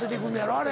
あれ。